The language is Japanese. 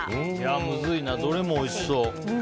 むずいな、どれもおいしそう。